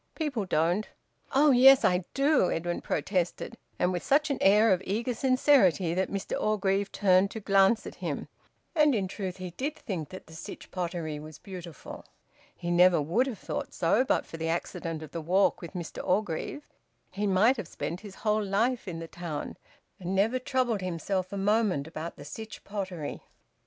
"People don't." "Oh yes! I do!" Edwin protested, and with such an air of eager sincerity that Mr Orgreave turned to glance at him. And in truth he did think that the Sytch Pottery was beautiful. He never would have thought so but for the accident of the walk with Mr Orgreave; he might have spent his whole life in the town, and never troubled himself a moment about the Sytch Pottery.